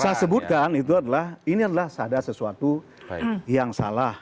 saya sebutkan itu adalah ini adalah ada sesuatu yang salah